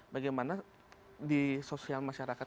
bagaimana di sosial masyarakat